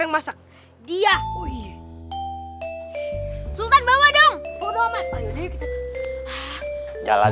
ini bukan gelang